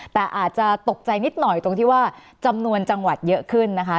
แต่อาจจะตกใจนิดหน่อยตรงที่ว่าจำนวนจังหวัดเยอะขึ้นนะคะ